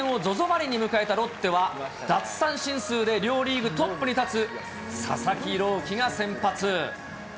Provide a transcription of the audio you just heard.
マリンに迎えたロッテは、奪三振数で両リーグトップに立つ佐々木朗希が先発。